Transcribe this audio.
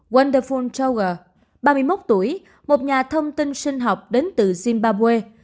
wonderful chogar ba mươi một tuổi một nhà thông tin sinh học đến từ zimbabwe